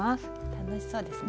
楽しそうですね。